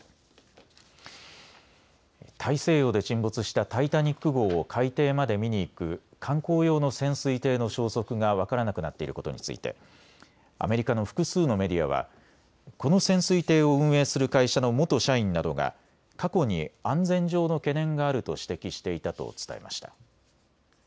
大西洋で沈没したタイタニック号を海底まで見に行く観光用の潜水艇の消息が分からなくなっていることについてアメリカの複数のメディアはこの潜水艇を運営する会社の元社員などが過去に安全上の懸念があると指摘していたと伝えました。